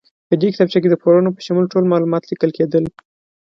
په دې کتابچه کې د پورونو په شمول ټول معلومات لیکل کېدل.